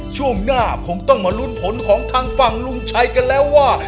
ช่วงหน้าคงต้องมาลุ้นผลของทางฝั่งลุงชัยกันแล้วว่า